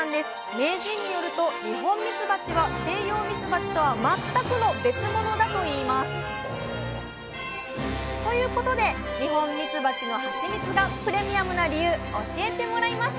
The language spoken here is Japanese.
名人によると二ホンミツバチはセイヨウミツバチとは全くの別物だといいます。ということで二ホンミツバチのハチミツがプレミアムな理由教えてもらいました！